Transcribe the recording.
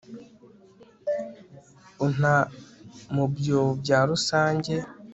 unta mu byobo bya rusange